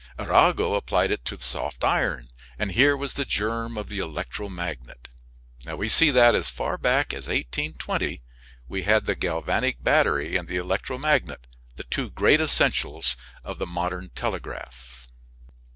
Arago applied it to soft iron, and here was the germ of the electromagnet. We see that as far back as 1820 we had the galvanic battery and the electromagnet, the two great essentials of the modern telegraph.